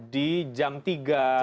di jam tiga